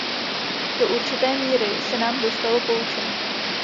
Do určité míry se nám dostalo poučení.